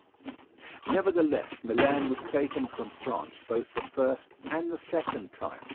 Nevertheless Milan was taken from France both the first and the second time.